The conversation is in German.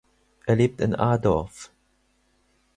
Er lebt in Adorf.